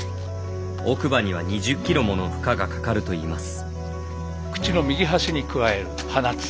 奥歯には２０キロもの負荷がかかるといいます。